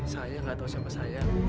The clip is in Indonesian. saya gak tau siapa saya